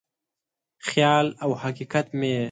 خیال او حقیقت مې یې